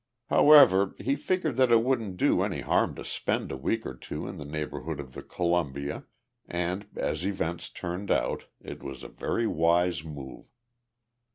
However, he figured that it wouldn't do any harm to spend a week or two in the neighborhood of the Columbia and, as events turned out, it was a very wise move.